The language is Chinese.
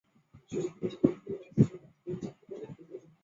省府委员南志信曾率领地方人士极力争取卑南上圳。